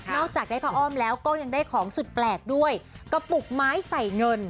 จากได้พระอ้อมแล้วก็ยังได้ของสุดแปลกด้วยกระปุกไม้ใส่เงิน